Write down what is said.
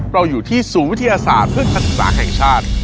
เราอยู่ที่ศูนย์วิทยาศาสตร์เพื่อการศึกษาแห่งชาติ